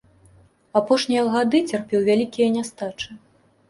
Апошнія гады цярпеў вялікія нястачы.